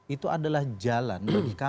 itu adalah jalan